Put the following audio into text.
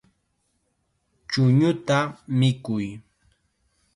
Chuñuta mikuy.